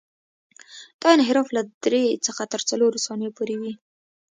دا انحراف له درې څخه تر څلورو ثانیو پورې وي